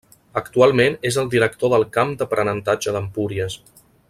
Actualment és el director del Camp d'Aprenentatge d'Empúries.